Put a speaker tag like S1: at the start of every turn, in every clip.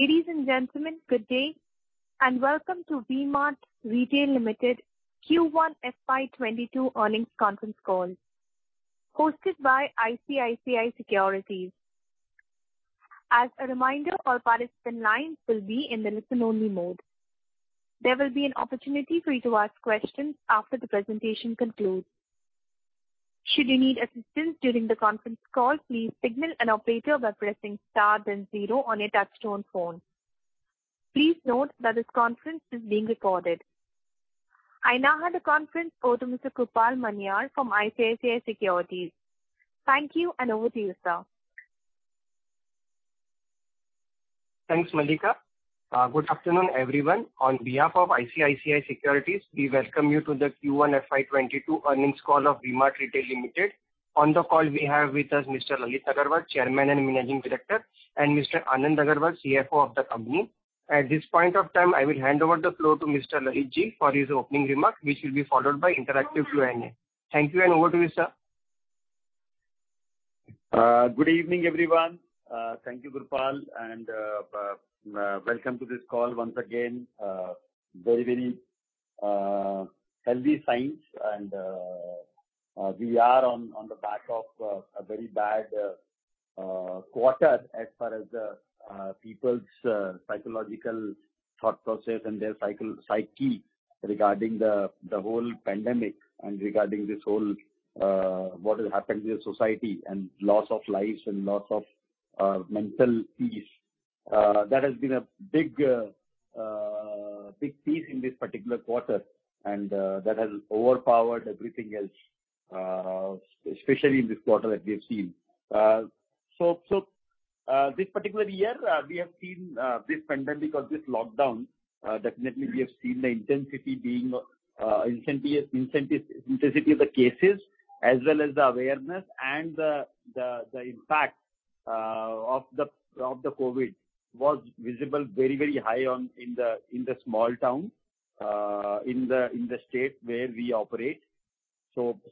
S1: Ladies and gentlemen, good day, welcome to V-Mart Retail Limited Q1 FY 2022 earnings conference call, hosted by ICICI Securities. As a reminder, all participant lines will be in the listen-only mode. There will be an opportunity for you to ask questions after the presentation concludes. Should you need assistance during the conference call, please signal an operator by pressing star then zero on your touchtone phone. Please note that this conference is being recorded. I now hand the conference over to Mr. Krupal Maniar from ICICI Securities. Thank you, over to you, sir.
S2: Thanks, Mallika. Good afternoon, everyone. On behalf of ICICI Securities, we welcome you to the Q1 FY 2022 earnings call of V-Mart Retail Limited. On the call we have with us Mr. Lalit Agarwal, Chairman and Managing Director, and Mr. Anand Agarwal, CFO of the company. At this point of time, I will hand over the floor to Mr. Lalit ji for his opening remarks, which will be followed by interactive Q&A. Thank you, and over to you, sir.
S3: Good evening, everyone. Thank you, Krupal, and welcome to this call once again. Very healthy signs, and we are on the back of a very bad quarter as far as the people's psychological thought process and their psyche regarding the whole pandemic and regarding this whole what has happened to the society and loss of lives and loss of mental peace. That has been a big piece in this particular quarter, and that has overpowered everything else, especially in this quarter that we've seen. This particular year, we have seen this pandemic or this lockdown, definitely we have seen the intensity of the cases as well as the awareness and the impact of the COVID was visible very high in the small town, in the state where we operate.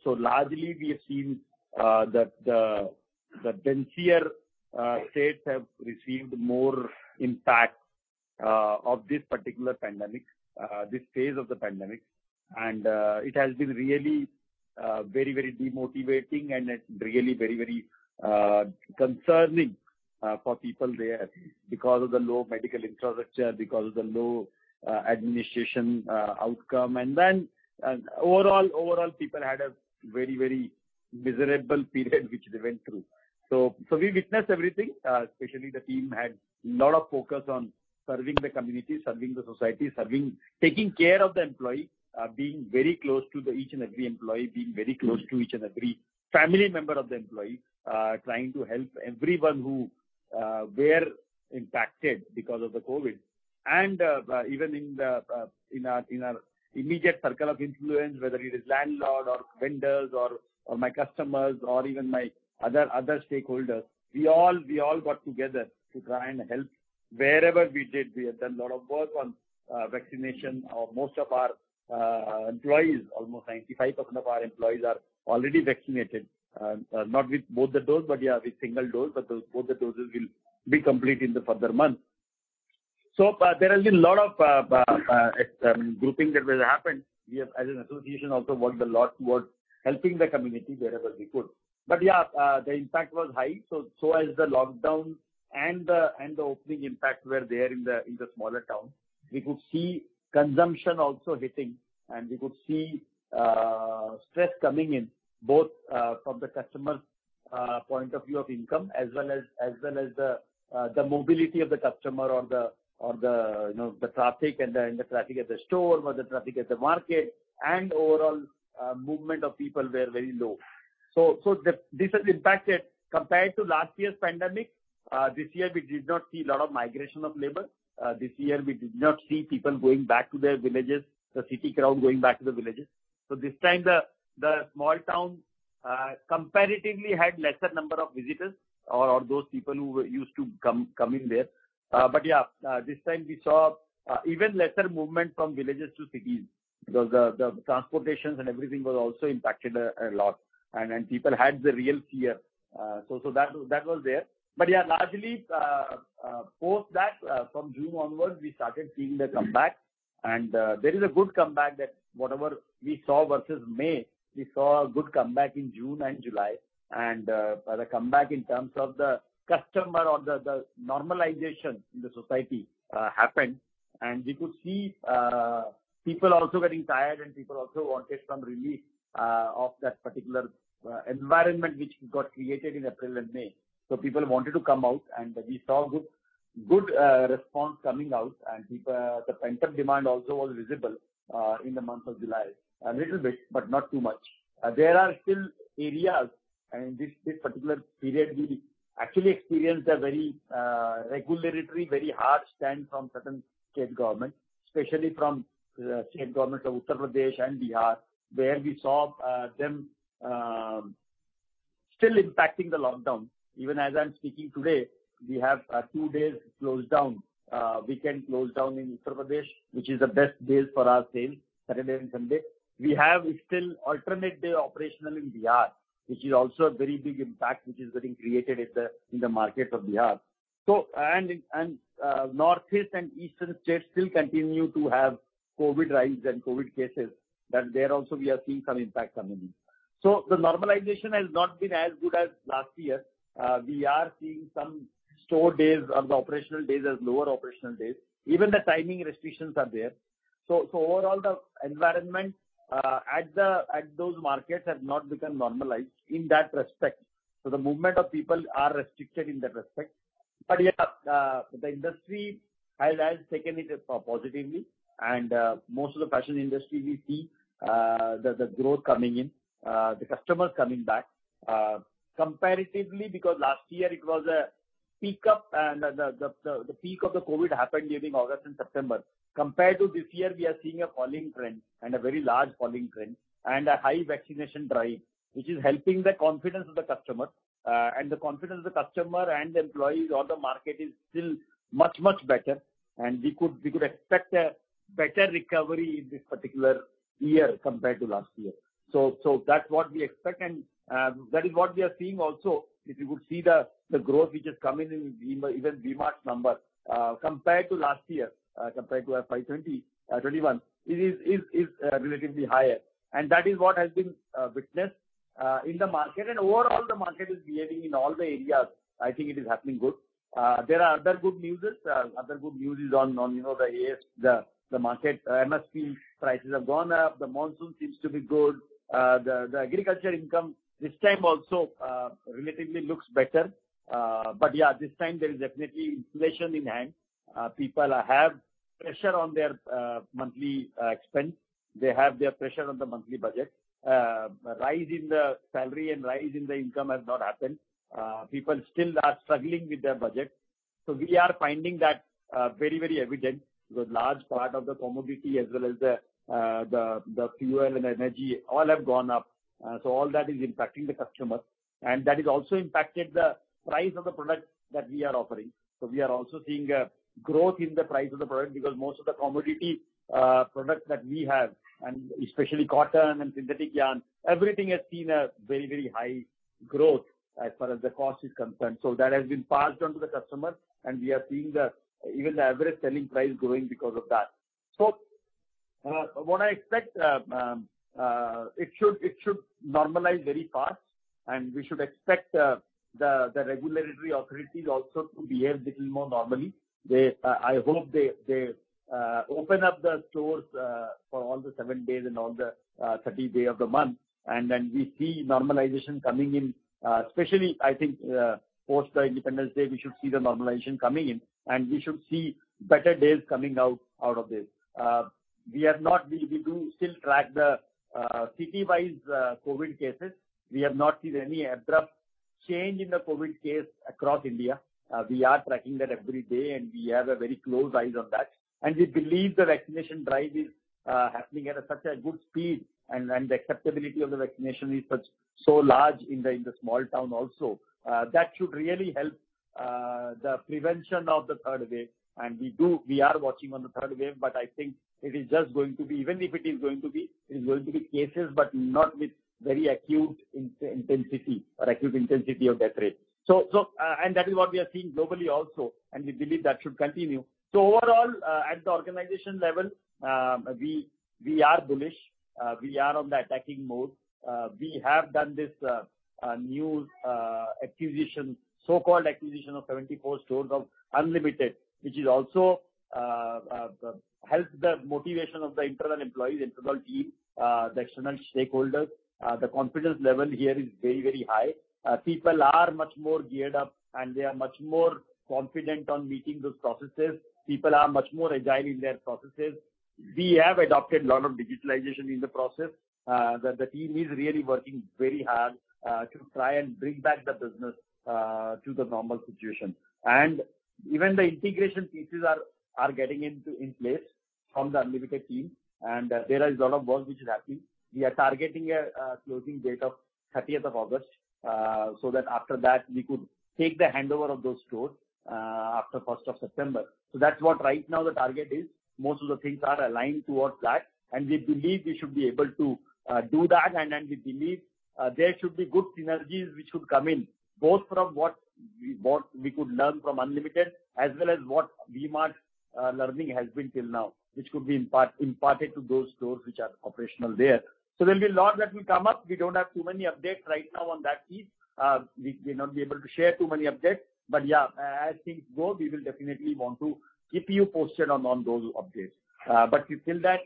S3: Largely, we have seen that the denser states have received more impact of this particular pandemic, this phase of the pandemic. It has been really very demotivating and it's really very concerning for people there because of the low medical infrastructure, because of the low administration outcome. Overall, people had a very miserable period which they went through. We witnessed everything, especially the team had lot of focus on serving the community, serving the society, taking care of the employee, being very close to each and every employee, being very close to each and every family member of the employee, trying to help everyone who were impacted because of the COVID. Even in our immediate circle of influence, whether it is landlord or vendors or my customers or even my other stakeholders, we all got together to try and help wherever we did. We have done lot of work on vaccination. Most of our employees, almost 95% of our employees are already vaccinated. Not with both the dose, but yeah, with single dose, but both the doses will be complete in the further month. There has been lot of grouping that has happened. We as an association also worked a lot towards helping the community wherever we could. Yeah, the impact was high, so as the lockdown and the opening impact were there in the smaller town. We could see consumption also hitting, and we could see stress coming in, both from the customer's point of view of income as well as the mobility of the customer or the traffic and the traffic at the store or the traffic at the market. Overall, movement of people were very low. This has impacted compared to last year's pandemic. This year we did not see lot of migration of labor. This year we did not see people going back to their villages, the city crowd going back to the villages. This time the small town comparatively had lesser number of visitors or those people who used to come in there. Yeah, this time we saw even lesser movement from villages to cities because the transportations and everything was also impacted a lot, and people had the real fear. That was there. Yeah, largely, post that, from June onwards, we started seeing the comeback. There is a good comeback that whatever we saw versus May, we saw a good comeback in June and July. The comeback in terms of the customer or the normalization in the society happened. We could see people also getting tired and people also wanted some relief of that particular environment which got created in April and May. People wanted to come out, and we saw good response coming out. The pent-up demand also was visible in the month of July, a little bit, but not too much. There are still areas in this particular period we actually experienced a very regulatory, very harsh stand from certain state government, especially from state government of Uttar Pradesh and Bihar, where we saw them still impacting the lockdown. Even as I'm speaking today, we have two days closed down, weekend closed down in Uttar Pradesh, which is the best days for our sales, Saturday and Sunday. We have still alternate day operational in Bihar, which is also a very big impact which is getting created in the market of Bihar. Northeast and Eastern states still continue to have COVID rise and COVID cases. There also we are seeing some impact coming in. The normalization has not been as good as last year. We are seeing some store days or the operational days as lower operational days. Even the timing restrictions are there. Overall, the environment at those markets has not become normalized in that respect. The movement of people are restricted in that respect. Yeah, the industry has taken it positively and most of the fashion industry will see the growth coming in, the customers coming back. Comparatively, because last year, the peak of the COVID happened during August and September, compared to this year, we are seeing a falling trend and a very large falling trend and a high vaccination drive, which is helping the confidence of the customer. The confidence of the customer and the employees on the market is still much, much better, and we could expect a better recovery in this particular year compared to last year. That's what we expect, and that is what we are seeing also. If you could see the growth which is coming in even V-Mart's number, compared to last year, compared to FY 2021, it is relatively higher, and that is what has been witnessed in the market. Overall, the market is behaving in all the areas. I think it is happening good. There are other good news on the ASP, the market MSP prices have gone up. The monsoon seems to be good. The agriculture income this time also relatively looks better. Yeah, this time there is definitely inflation in hand. People have pressure on their monthly expense. They have their pressure on the monthly budget. Rise in the salary and rise in the income has not happened. People still are struggling with their budget. We are finding that very evident because large part of the commodity as well as the fuel and energy, all have gone up. All that is impacting the customer, and that has also impacted the price of the product that we are offering. We are also seeing a growth in the price of the product because most of the commodity products that we have, and especially cotton and synthetic yarn, everything has seen a very, very high growth as far as the cost is concerned. That has been passed on to the customer, and we are seeing even the average selling price growing because of that. What I expect, it should normalize very fast, and we should expect the regulatory authorities also to behave little more normally. I hope they open up the stores for all the seven days and all the 30 day of the month, and then we see normalization coming in. Especially, I think, post the Independence Day, we should see the normalization coming in, and we should see better days coming out of this. We do still track the city-wise COVID cases. We have not seen any abrupt change in the COVID case across India. We are tracking that every day, we have a very close eyes on that. We believe the vaccination drive is happening at such a good speed and the acceptability of the vaccination is so large in the small town also. That should really help the prevention of the third wave. We are watching on the third wave, I think even if it is going to be, it is going to be cases, not with very acute intensity or acute intensity of death rate. That is what we are seeing globally also, we believe that should continue. Overall, at the organization level, we are bullish. We are on the attacking mode. We have done this new acquisition, so-called acquisition of 74 stores of Unlimited, which has also helped the motivation of the internal employees, internal team, the external stakeholders. The confidence level here is very, very high. People are much more geared up, and they are much more confident on meeting those processes. People are much more agile in their processes. We have adopted a lot of digitalization in the process. The team is really working very hard to try and bring back the business to the normal situation. Even the integration pieces are getting in place from the Unlimited team, and there is a lot of work which is happening. We are targeting a closing date of 30th of August, so that after that we could take the handover of those stores after 1st of September. That's what right now the target is. Most of the things are aligned towards that, and we believe we should be able to do that, and we believe there should be good synergies which should come in, both from what we could learn from Unlimited as well as what V-Mart learning has been till now, which could be imparted to those stores which are operational there. There'll be a lot that will come up. We don't have too many updates right now on that piece. We may not be able to share too many updates, but yeah, as things go, we will definitely want to keep you posted on those updates. Till that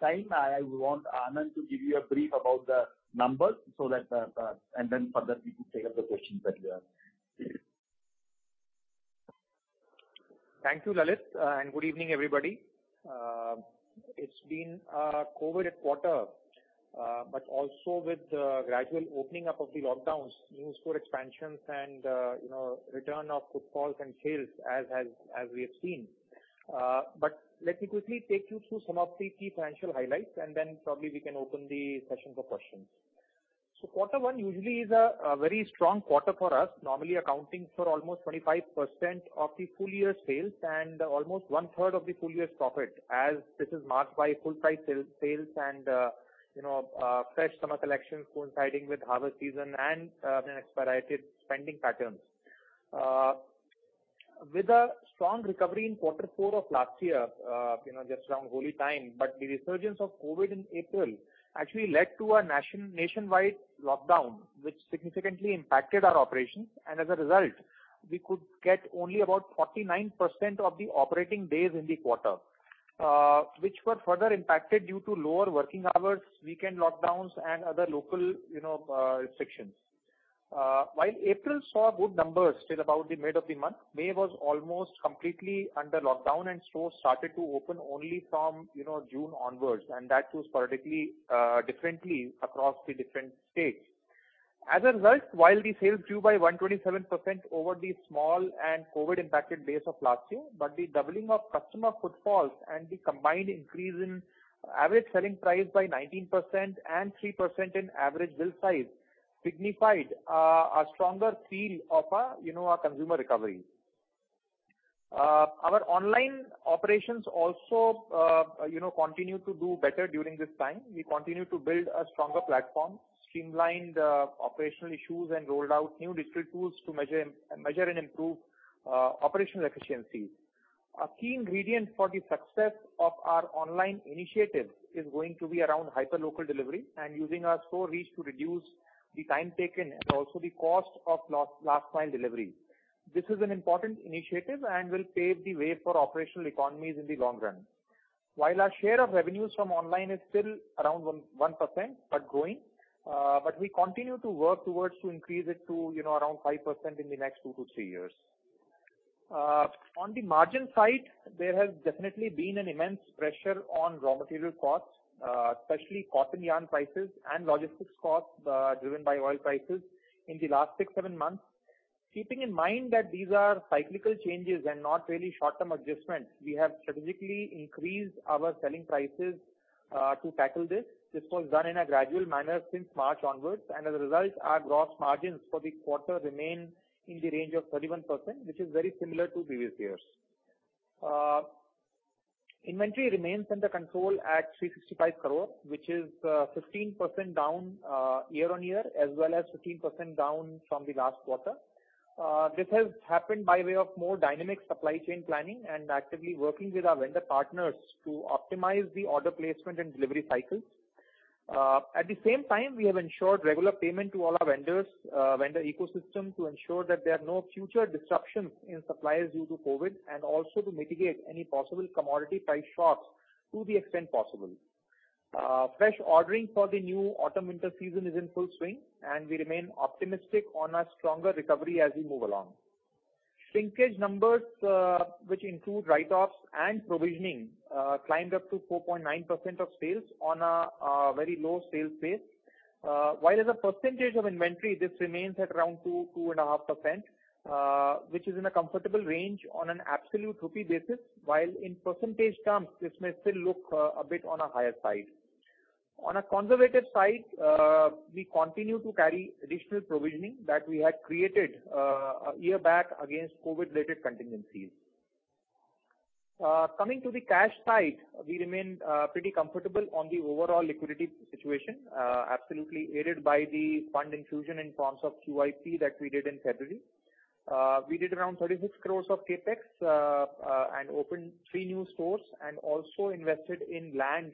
S3: time, I want Anand to give you a brief about the numbers, and then further we could take up the questions that we have.
S4: Thank you, Lalit, and good evening, everybody. It's been a COVID quarter, but also with the gradual opening up of the lockdowns, new store expansions, and return of footfalls and sales as we have seen. Let me quickly take you through some of the key financial highlights, and then probably we can open the session for questions. Quarter one usually is a very strong quarter for us, normally accounting for almost 25% of the full year sales and almost 1/3 of the full year profit, as this is marked by full price sales and fresh summer collections coinciding with harvest season and an expedited spending patterns. With a strong recovery in quarter four of last year, just around Holi time. The resurgence of COVID in April actually led to a nationwide lockdown, which significantly impacted our operations, and as a result, we could get only about 49% of the operating days in the quarter, which were further impacted due to lower working hours, weekend lockdowns, and other local restrictions. While April saw good numbers till about the mid of the month, May was almost completely under lockdown, and stores started to open only from June onwards, and that too sporadically, differently across the different states. As a result, while the sales grew by 127% over the small and COVID-impacted base of last year, but the doubling of customer footfalls and the combined increase in average selling price by 19% and 3% in average bill size signified a stronger feel of our consumer recovery. Our online operations also continue to do better during this time. We continue to build a stronger platform, streamlined operational issues, and rolled out new digital tools to measure and improve operational efficiency. A key ingredient for the success of our online initiative is going to be around hyperlocal delivery and using our store reach to reduce the time taken and also the cost of last mile delivery. This is an important initiative and will pave the way for operational economies in the long run. While our share of revenues from online is still around 1%, but growing, but we continue to work towards to increase it to around 5% in the next two to three years. On the margin side, there has definitely been an immense pressure on raw material costs, especially cotton yarn prices and logistics costs, driven by oil prices in the last six, seven months. Keeping in mind that these are cyclical changes and not really short-term adjustments, we have strategically increased our selling prices to tackle this. This was done in a gradual manner since March onwards. As a result, our gross margins for the quarter remain in the range of 31%, which is very similar to previous years. Inventory remains under control at 365 crore, which is 15% down year-on-year, as well as 15% down from the last quarter. This has happened by way of more dynamic supply chain planning and actively working with our vendor partners to optimize the order placement and delivery cycles. At the same time, we have ensured regular payment to all our vendors, vendor ecosystem, to ensure that there are no future disruptions in suppliers due to COVID, and also to mitigate any possible commodity price shocks to the extent possible. Fresh ordering for the new autumn-winter season is in full swing, and we remain optimistic on a stronger recovery as we move along. Shrinkage numbers which include write-offs and provisioning, climbed up to 4.9% of sales on a very low sales base. While as a percentage of inventory, this remains at around 2%-2.5%, which is in a comfortable range on an absolute INR basis, while in percentage terms, this may still look a bit on a higher side. On a conservative side, we continue to carry additional provisioning that we had created a year back against COVID-related contingencies. Coming to the cash side, we remain pretty comfortable on the overall liquidity situation, absolutely aided by the fund infusion in forms of QIP that we did in February. We did around 36 crore of CapEx, opened three new stores and also invested in land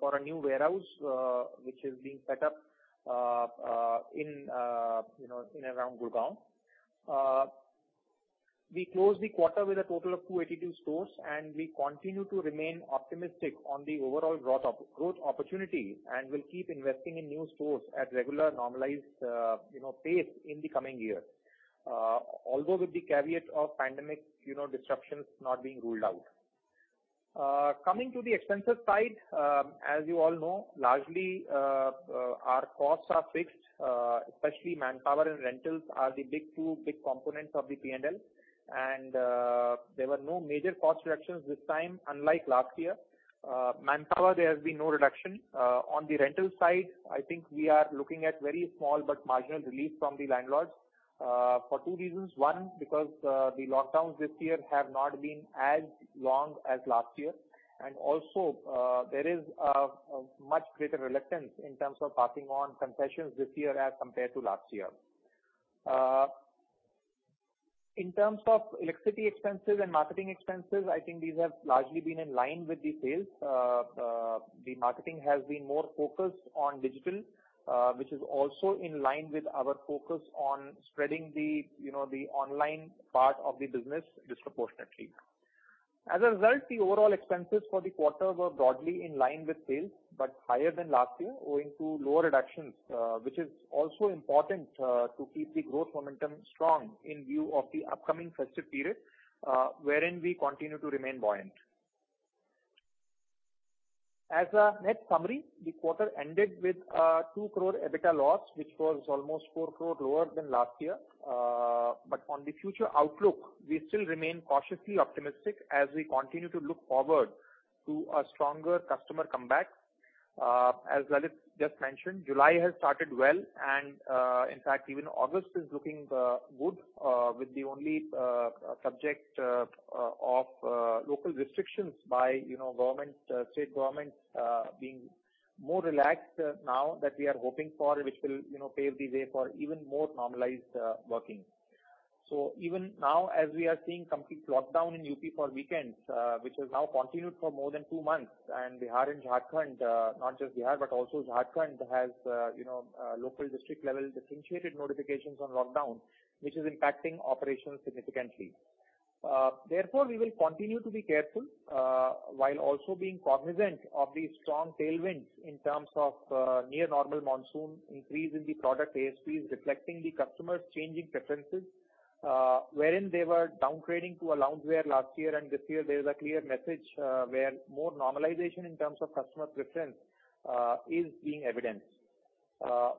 S4: for a new warehouse which is being set up in and around Gurgaon. We closed the quarter with a total of 282 stores, we continue to remain optimistic on the overall growth opportunity and will keep investing in new stores at regular normalized pace in the coming year, with the caveat of pandemic disruptions not being ruled out. Coming to the expenses side, as you all know, largely our costs are fixed, especially manpower and rentals are the two big components of the P&L. There were no major cost reductions this time, unlike last year. Manpower, there has been no reduction. On the rental side, I think we are looking at very small but marginal relief from the landlords, for two reasons. One, because the lockdowns this year have not been as long as last year, and also there is a much greater reluctance in terms of passing on concessions this year as compared to last year. In terms of electricity expenses and marketing expenses, I think these have largely been in line with the sales. The marketing has been more focused on digital, which is also in line with our focus on spreading the online part of the business disproportionately. As a result, the overall expenses for the quarter were broadly in line with sales, but higher than last year owing to lower reductions, which is also important to keep the growth momentum strong in view of the upcoming festive period wherein we continue to remain buoyant. As a net summary, the quarter ended with a 2 crore EBITDA loss, which was almost 4 crore lower than last year. On the future outlook, we still remain cautiously optimistic as we continue to look forward to a stronger customer comeback. As Lalit just mentioned, July has started well and in fact, even August is looking good, with the only subject of local restrictions by state government being more relaxed now that we are hoping for, which will pave the way for even more normalized working. Even now, as we are seeing complete lockdown in UP for weekends which has now continued for more than two months and Bihar and Jharkhand, not just Bihar, but also Jharkhand has local district level differentiated notifications on lockdown, which is impacting operations significantly. Therefore, we will continue to be careful, while also being cognizant of the strong tailwinds in terms of near normal monsoon increase in the product ASPs reflecting the customers' changing preferences, wherein they were downgrading to a loungewear last year. This year there is a clear message, where more normalization in terms of customer preference is being evidenced.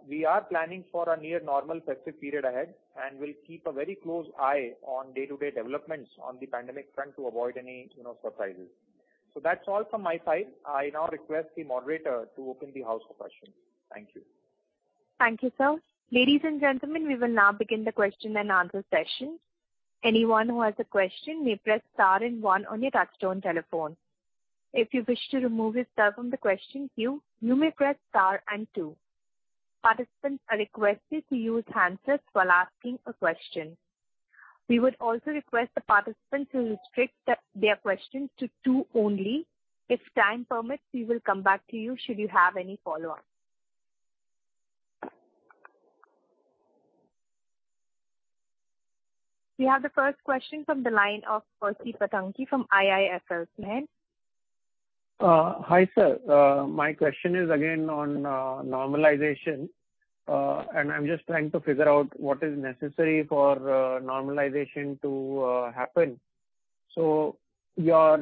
S4: We are planning for a near normal festive period ahead, and will keep a very close eye on day-to-day developments on the pandemic front to avoid any surprises. That's all from my side. I now request the moderator to open the house for questions. Thank you.
S1: Thank you, sir. Ladies and gentlemen, we will now begin the question and answer session. Anyone who has a question may press star and one on your touchtone telephone. If you wish to remove yourself from the question queue, you may press star and two. Participants are requested to use handsets while asking a question. We would also request the participants to restrict their questions to two only. If time permits, we will come back to you should you have any follow-ups. We have the first question from the line of Percy Panthaki from IIFL.
S5: Hi, sir. My question is again on normalization. I'm just trying to figure out what is necessary for normalization to happen. You had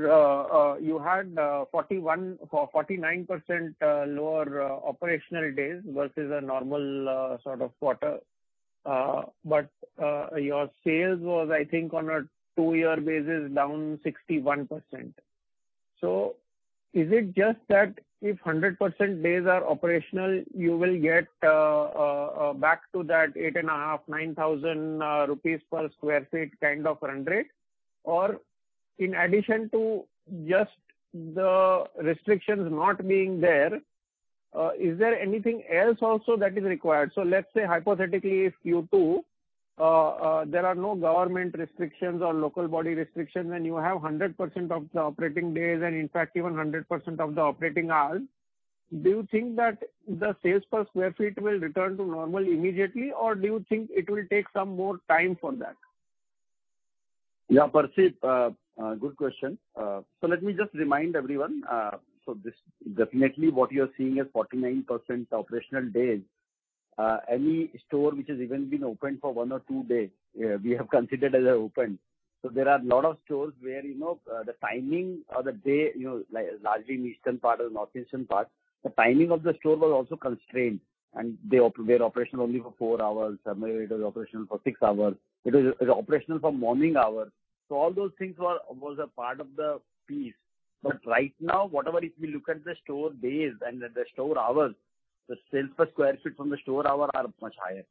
S5: 49% lower operational days versus a normal sort of quarter. Your sales was, I think on a two-year basis, down 61%. Is it just that if 100% days are operational, you will get back to that 8,500, 9,000 rupees per sq ft kind of run rate? In addition to just the restrictions not being there, is there anything else also that is required? Let's say hypothetically, if Q2 there are no government restrictions or local body restrictions and you have 100% of the operating days and in fact even 100% of the operating hours, do you think that the sales per square feet will return to normal immediately, or do you think it will take some more time for that?
S3: Yeah, Percy, good question. Let me just remind everyone. This definitely what you're seeing is 49% operational days. Any store which has even been opened for one or two days, we have considered as open. There are a lot of stores where the timing or the day, largely in eastern part or northeastern part, the timing of the store was also constrained, and they were operational only for four hours. Somewhere it was operational for six hours. It was operational for morning hours. All those things were a part of the piece. Right now, whatever, if we look at the store days and the store hours, the sales per square feet from the store hour are much higher.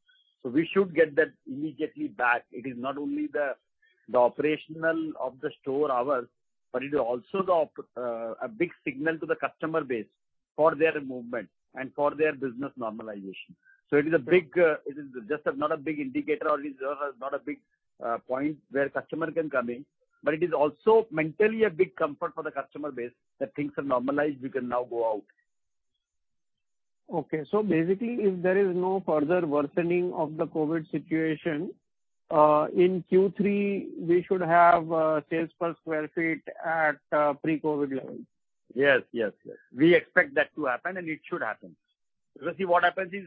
S3: We should get that immediately back. It is not only the operational of the store hours, but it is also a big signal to the customer base for their movement and for their business normalization. It is not a big indicator or it is not a big point where customer can come in, but it is also mentally a big comfort for the customer base that things are normalized, we can now go out.
S5: Okay. Basically, if there is no further worsening of the COVID situation, in Q3 we should have sales per square feet at pre-COVID levels.
S3: Yes. We expect that to happen. It should happen. What happens is,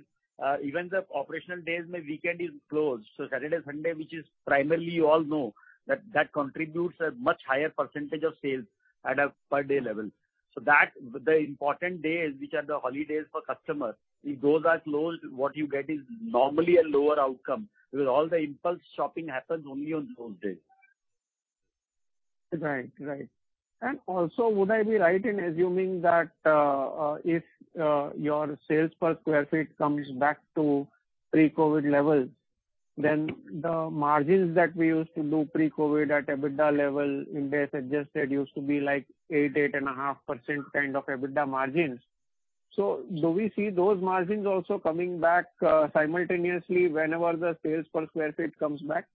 S3: even the operational days, weekend is closed. Saturday, Sunday, which is primarily you all know that contributes a much higher percentage of sales at a per day level. The important days, which are the holidays for customers, if those are closed, what you get is normally a lower outcome because all the impulse shopping happens only on those days.
S5: Right. Also, would I be right in assuming that, if your sales per square feet comes back to pre-COVID levels, then the margins that we used to do pre-COVID at EBITDA level, India suggested used to be like 8%, 8.5% kind of EBITDA margins. Do we see those margins also coming back simultaneously whenever the sales per square feet comes back?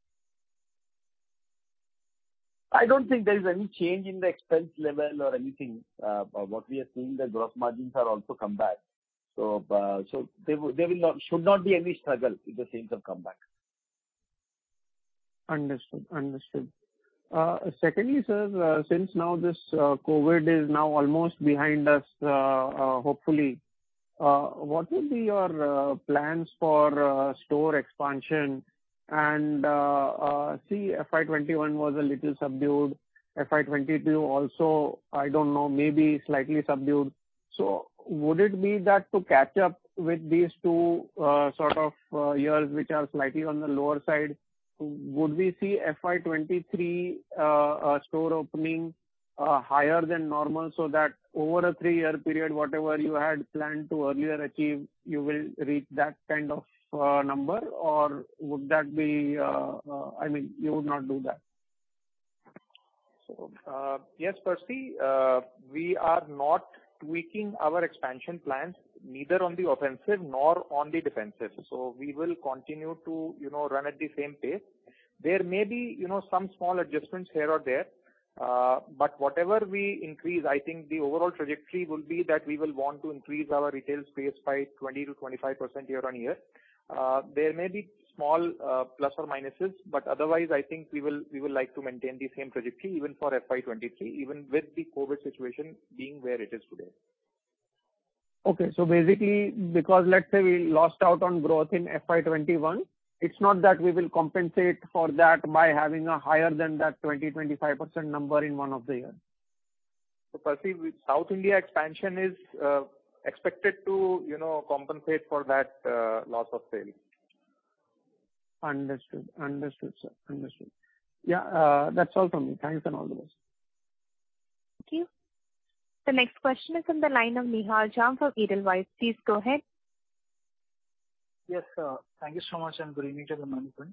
S3: I don't think there is any change in the expense level or anything. What we are seeing, the gross margins are also come back. There should not be any struggle if the sales have come back.
S5: Understood. Secondly, sir, since now this COVID is now almost behind us, hopefully, what will be your plans for store expansion and see FY 2021 was a little subdued. FY 2022 also, I don't know, maybe slightly subdued. Would it be that to catch up with these two sort of years which are slightly on the lower side, would we see FY 2023 store opening higher than normal so that over a three-year period, whatever you had planned to earlier achieve, you will reach that kind of number? I mean, you would not do that?
S4: Yes, Percy, we are not tweaking our expansion plans, neither on the offensive nor on the defensive. We will continue to run at the same pace. There may be some small adjustments here or there. Whatever we increase, I think the overall trajectory will be that we will want to increase our retail space by 20%-25% year-on-year. There may be small plus or minuses, but otherwise, I think we will like to maintain the same trajectory even for FY 2023, even with the COVID situation being where it is today.
S5: Okay. Basically, because let's say we lost out on growth in FY 2021, it's not that we will compensate for that by having a higher than that 20%-25% number in one of the years.
S4: Percy, with South India expansion is expected to compensate for that loss of sale.
S5: Understood, sir. Yeah. That's all from me. Thanks, and all the best.
S1: Thank you. The next question is on the line of Nihal Jham for Edelweiss. Please go ahead.
S6: Yes. Thank you so much, and good evening to the management.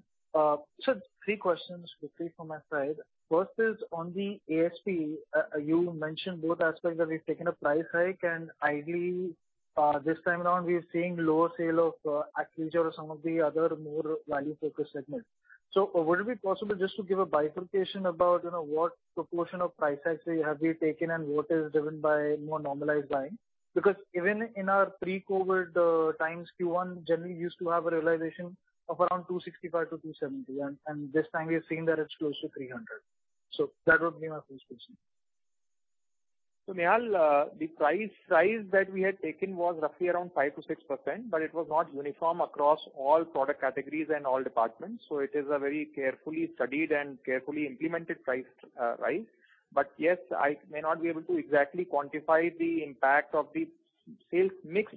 S6: Sir, three questions quickly from my side. First is on the ASP. You mentioned both aspects that we've taken a price hike, and ideally, this time around, we're seeing lower sale of Akrisja or some of the other more value-focused segments. Would it be possible just to give a bifurcation about what proportion of price hikes have we taken and what is driven by more normalized buying? Because even in our pre-COVID times, Q1 generally used to have a realization of around 265- 270, and this time we are seeing that it's close to 300. That would be my first question.
S4: Nihal, the price rise that we had taken was roughly around 5%-6%, it was not uniform across all product categories and all departments, it is a very carefully studied and carefully implemented price rise. Yes, I may not be able to exactly quantify the impact of the sales mix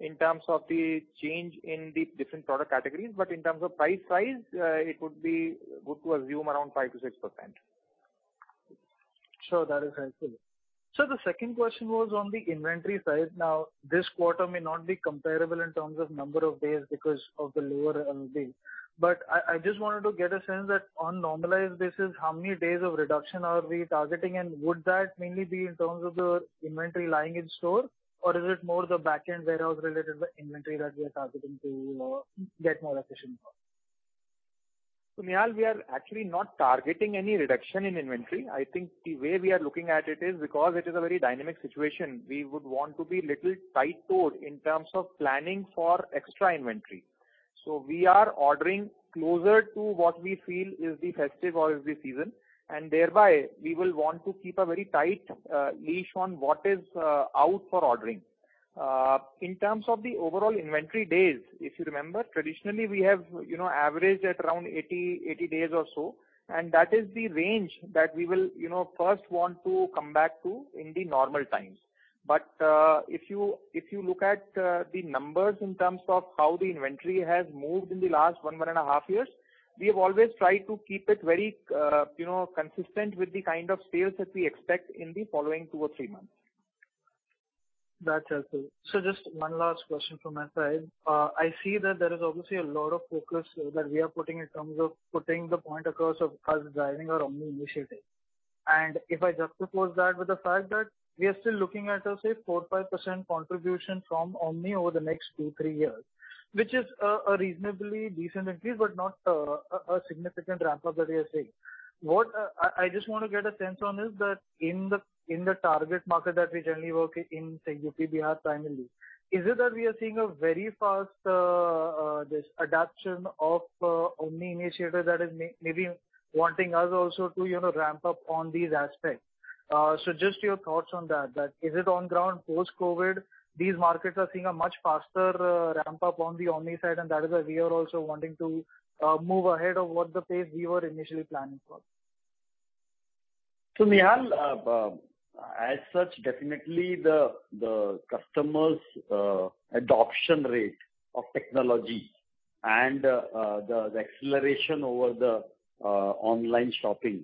S4: in terms of the change in the different product categories, but in terms of price rise, it would be good to assume around 5%-6%.
S6: Sure. That is helpful. Sir, the second question was on the inventory side. Now, this quarter may not be comparable in terms of number of days because of the lower LVD. I just wanted to get a sense that on normalized basis, how many days of reduction are we targeting, and would that mainly be in terms of the inventory lying in store, or is it more the backend warehouse-related inventory that we are targeting to get more efficient for?
S4: Nihal, we are actually not targeting any reduction in inventory. I think the way we are looking at it is because it is a very dynamic situation, we would want to be little tight-toed in terms of planning for extra inventory. We are ordering closer to what we feel is the festive or is the season, and thereby, we will want to keep a very tight leash on what is out for ordering. In terms of the overall inventory days, if you remember, traditionally, we have averaged at around 80 days or so, and that is the range that we will first want to come back to in the normal times. If you look at the numbers in terms of how the inventory has moved in the last 1.5 years, we have always tried to keep it very consistent with the kind of sales that we expect in the following two or three months.
S6: That's helpful. Sir, just one last question from my side. I see that there is obviously a lot of focus that we are putting in terms of putting the point across of us driving our Omni initiative. If I juxtapose that with the fact that we are still looking at a, say, 4%-5% contribution from Omni over the next two, three years, which is a reasonably decent increase, but not a significant ramp-up that we are seeing. I just want to get a sense on is that in the target market that we generally work in, say, UP, Bihar, primarily. Is it that we are seeing a very fast adaption of Omni initiative that is maybe wanting us also to ramp up on these aspects? Just your thoughts on that is it on ground post-COVID, these markets are seeing a much faster ramp-up on the Omni side, and that is why we are also wanting to move ahead of what the pace we were initially planning for?
S3: Nihal, as such, definitely the customer's adoption rate of technology and the acceleration over the online shopping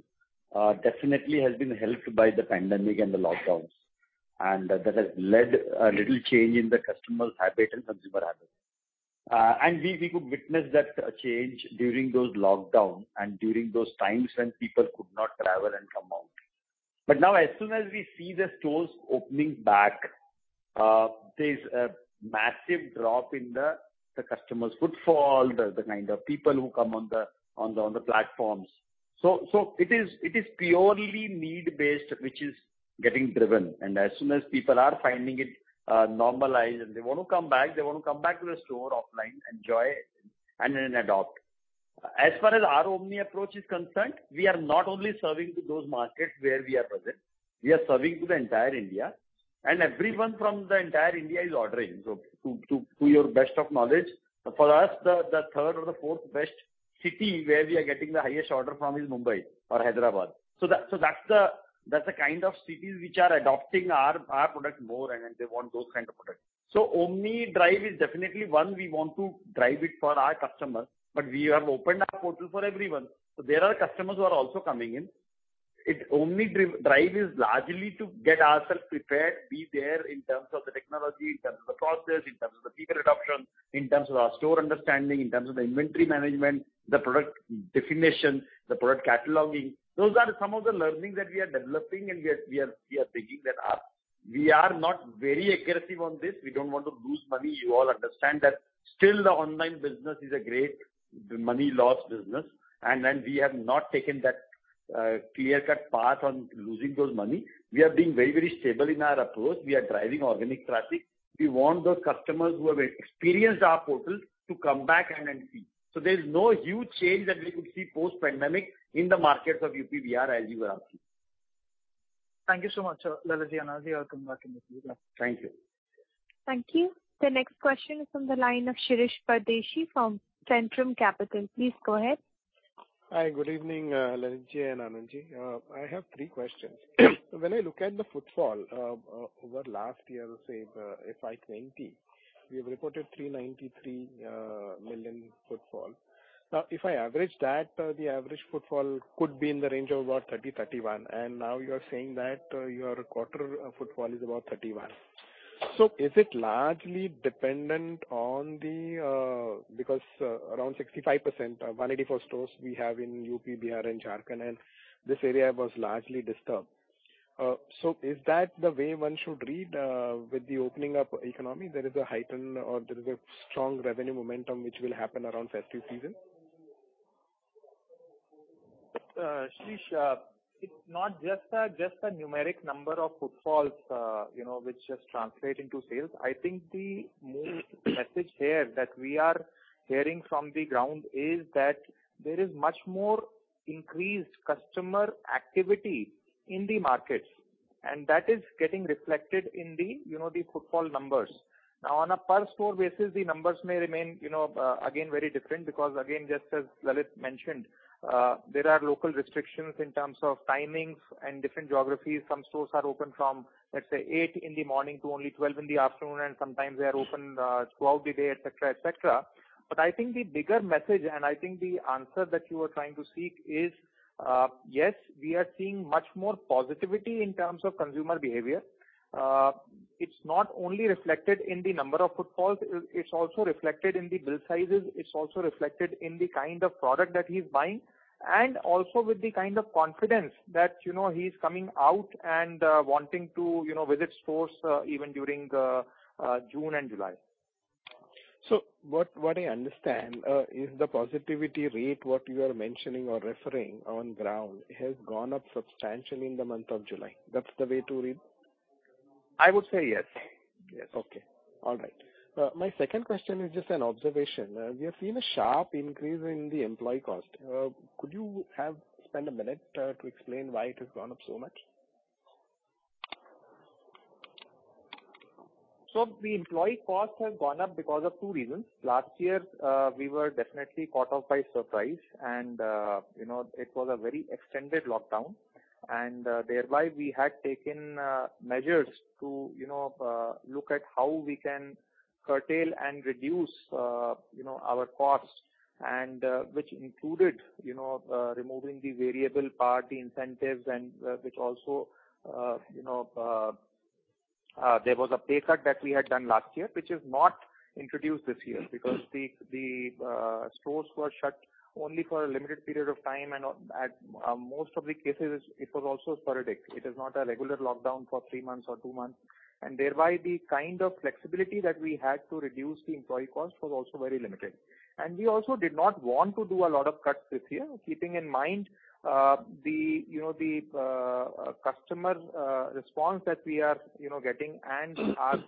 S3: definitely has been helped by the COVID and the lockdowns, and that has led a little change in the customer's habit and consumer habit. We could witness that change during those lockdowns and during those times when people could not travel and come out. Now, as soon as we see the stores opening back, there's a massive drop in the customer's footfall, the kind of people who come on the platforms. It is purely need-based, which is getting driven, and as soon as people are finding it normalized and they want to come back, they want to come back to the store offline, enjoy, and then adopt. As far as our Omni approach is concerned, we are not only serving to those markets where we are present. We are serving to the entire India, and everyone from the entire India is ordering. To your best of knowledge, for us, the third or the fourth best city where we are getting the highest order from is Mumbai or Hyderabad. That's the kind of cities which are adopting our product more, and they want those kind of products. Omni drive is definitely one we want to drive it for our customers, but we have opened our portal for everyone, so there are customers who are also coming in. Omni drive is largely to get ourselves prepared, be there in terms of the technology, in terms of the process, in terms of the people adoption, in terms of our store understanding, in terms of the inventory management, the product definition, the product cataloging. Those are some of the learnings that we are developing and we are taking that up. We are not very aggressive on this. We don't want to lose money. You all understand that still the online business is a great money loss business, and we have not taken that clear-cut path on losing that money. We are being very stable in our approach. We are driving organic traffic. We want those customers who have experienced our portal to come back and then see. There's no huge change that we could see post-pandemic in the markets of UP, Bihar, as you would have seen.
S6: Thank you so much, Lalit Ji and Anand Ji. I'll come back if needed.
S3: Thank you.
S1: Thank you. The next question is from the line of Shirish Pardeshi from Centrum Capital. Please go ahead.
S7: Hi. Good evening, Lalit Ji and Anand Ji. I have three questions. When I look at the footfall over last year, say FY 2020, we have reported 393 million footfall. Now, if I average that, the average footfall could be in the range of about 30, 31, and now you are saying that your quarter footfall is about 31. Because around 65%, 184 stores we have in UP, Bihar, and Jharkhand, and this area was largely disturbed. Is that the way one should read with the opening up economy, there is a heightened or there is a strong revenue momentum which will happen around festive season?
S4: Shirish, it's not just a numeric number of footfalls which just translate into sales. I think the main message here that we are hearing from the ground is that there is much more increased customer activity in the markets, and that is getting reflected in the footfall numbers. On a per store basis, the numbers may remain again very different because again, just as Lalit mentioned, there are local restrictions in terms of timings and different geographies. Some stores are open from, let's say, 8:00 A.M. to only 12:00 P.M., and sometimes they are open throughout the day, et cetera. I think the bigger message, and I think the answer that you are trying to seek is, yes, we are seeing much more positivity in terms of consumer behavior. It's not only reflected in the number of footfalls, it's also reflected in the bill sizes, it's also reflected in the kind of product that he's buying, and also with the kind of confidence that he's coming out and wanting to visit stores even during June and July.
S7: What I understand is the positivity rate, what you are mentioning or referring on ground, has gone up substantially in the month of July. That's the way to read?
S4: I would say yes.
S7: Okay. All right. My second question is just an observation. We have seen a sharp increase in the employee cost. Could you spend a minute to explain why it has gone up so much?
S4: The employee cost has gone up because of two reasons. Last year, we were definitely caught off by surprise, and it was a very extended lockdown. Thereby, we had taken measures to look at how we can curtail and reduce our costs, and which included removing the variable part, the incentives, and which also there was a pay cut that we had done last year, which is not introduced this year because the stores were shut only for a limited period of time, and at most of the cases, it was also sporadic. It is not a regular lockdown for three months or two months. Thereby, the kind of flexibility that we had to reduce the employee cost was also very limited. We also did not want to do a lot of cuts this year, keeping in mind the customer response that we are getting and are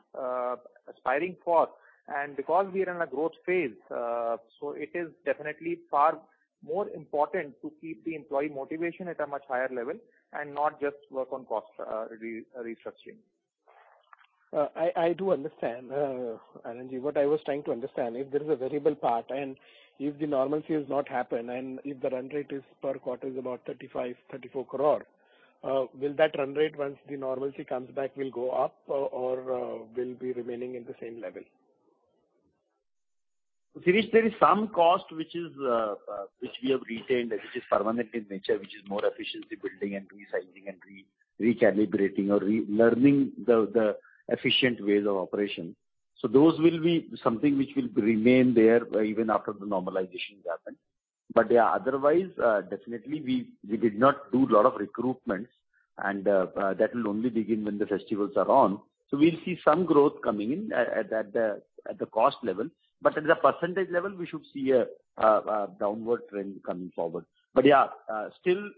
S4: aspiring for, and because we are in a growth phase. It is definitely far more important to keep the employee motivation at a much higher level and not just work on cost restructuring.
S7: I do understand, Anand Ji. What I was trying to understand, if there is a variable part and if the normalcy has not happened, and if the run rate per quarter is about 35 crore, 34 crore, will that run rate once the normalcy comes back will go up or will be remaining in the same level?
S3: Shirish, there is some cost which we have retained, which is permanent in nature, which is more efficiency building and resizing and recalibrating or learning the efficient ways of operation. Those will be something which will remain there even after the normalization happens. Yeah, otherwise, definitely we did not do lot of recruitments, and that will only begin when the festivals are on. We'll see some growth coming in at the cost level. At the percentage level, we should see a downward trend coming forward. Yeah, still,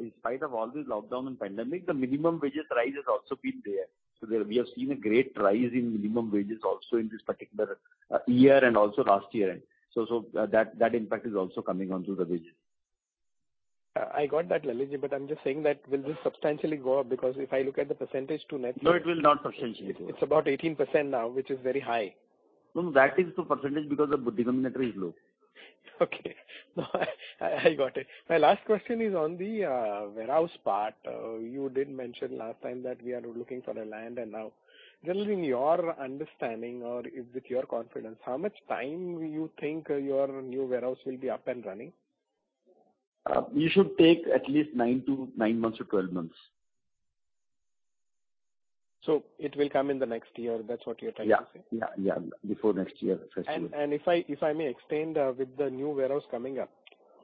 S3: in spite of all this lockdown and pandemic, the minimum wages rise has also been there. We have seen a great rise in minimum wages also in this particular year and also last year. That impact is also coming onto the wage.
S7: I got that, Lalit Ji, but I'm just saying that, will this substantially go up? Because if I look at the percentage to net-
S3: No, it will not substantially go up.
S7: It's about 18% now, which is very high.
S3: No, that is the percentage because the denominator is low.
S7: Okay. I got it. My last question is on the warehouse part. You did mention last time that we are looking for a land and now, Lalit ji, in your understanding or with your confidence, how much time you think your new warehouse will be up and running?
S3: We should take at least 9 months-12 months.
S7: It will come in the next year. That's what you're trying to say?
S3: Yeah. Before next year, first year.
S7: If I may extend with the new warehouse coming up,